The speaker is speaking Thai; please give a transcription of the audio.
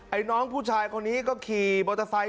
น้องผู้ชายคนนี้ก็ขี่มอเตอร์ไซค์